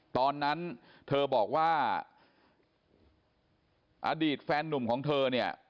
ตอนนั้นเธอบอกว่าอดีตแฟนนุ่มของเธอเนี่ย